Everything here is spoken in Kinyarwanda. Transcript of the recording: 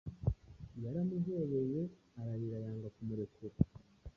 Yaramuhobeye, ararira, yanga kumurekura